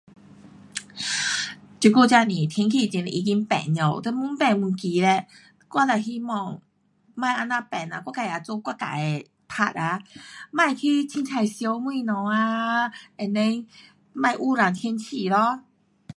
这久真是天气很，已经变了，都越变越奇怪。我只希望别这样变啦，我自也做我自的 part 啊，别去随便烧东西啊，and then 别污染天气咯。